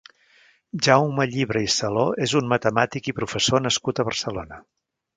Jaume Llibre i Saló és un matemàtic i professor nascut a Barcelona.